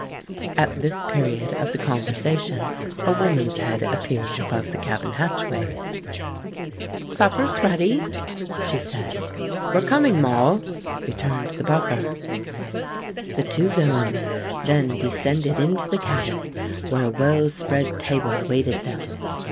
At this period of the conversation, a woman's head appeared above the cabin hatchway. "Supper's ready," she said. "We're coming, Moll," returned the Buffer. The two villains then descended into the cabin, where a well spread table awaited them.